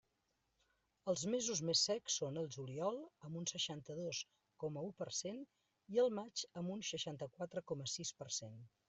Els mesos més secs són el juliol, amb un seixanta-dos coma un per cent i el maig, amb un seixanta-quatre coma sis per cent.